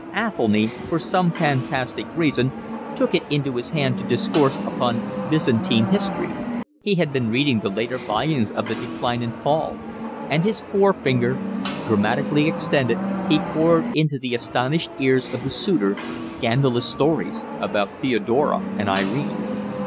Athelny for some fantastic reason took it into his head to discourse upon Byzantine history; he had been reading the later volumes of the Decline and Fall; and, his forefinger dramatically extended, he poured into the astonished ears of the suitor scandalous stories about Theodora and Irene.